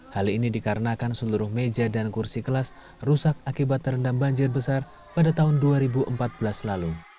hal ini dikarenakan seluruh meja dan kursi kelas rusak akibat terendam banjir besar pada tahun dua ribu empat belas lalu